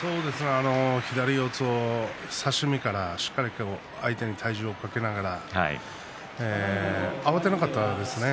左四つを差し身からしっかりと相手に体重をかけながら慌てなかったですね。